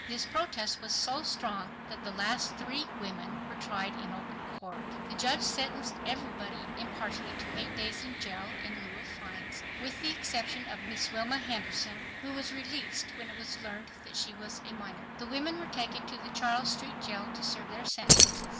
This protest was so strong that the last three women were tried in open court. The judge sentenced everybody impartially to eight days in j ail in lieu of fines, with the exception of Miss Wilma Henderson, who was released when it was learned that she was a minor. The women were taken to the Charles Street Jail to serve their sentences.